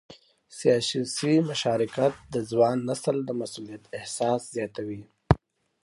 سیاسي مشارکت د ځوان نسل د مسؤلیت احساس زیاتوي